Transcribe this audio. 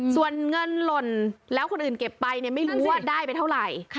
ส่วนเงินหล่นแล้วคนอื่นเก็บไปไม่รู้ว่าได้ไปเท่าไหร่